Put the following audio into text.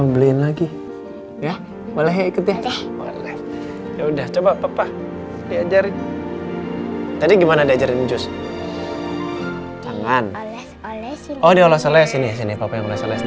berarti maenje tangannya sama papa ya